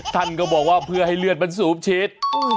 ท่านก็บอกว่าเพื่อให้เลือดมันสูบชิด